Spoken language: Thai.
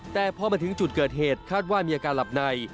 แต่พอมาถึงจุดเกิดเหตุคาดว่ามีอาการหลับใน